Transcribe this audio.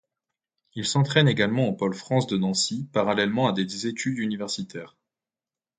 Il s’entraîne également au Pôle France de Nancy parallèlement à des études universitaires.